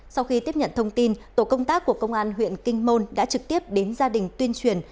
sau khi tiếp nhận thông tin tổ công tác của công an huyện kinh môn đã trực tiếp đến gia đình tuyên truyền